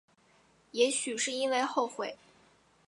也许是因为后悔